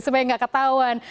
supaya nggak ketahuan